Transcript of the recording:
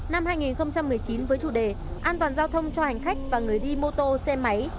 năm hai nghìn một mươi chín với chủ đề an toàn giao thông cho hành khách và người đi mô tô xe máy